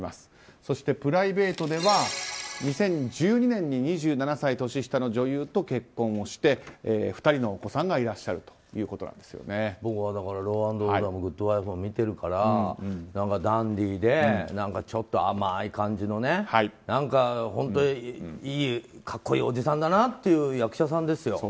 そして、プライベートでは２０１２年に２７歳年下の女優と結婚をして２人のお子さんが僕は「ＬＡＷ＆ＯＲＤＥＲ」も「グッド・ワイフ」も見てるからダンディーでちょっと甘い感じのね格好いいおじさんだなという役者さんですよ。